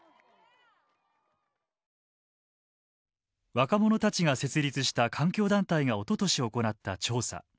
若者たちが設立した環境団体がおととし行った調査。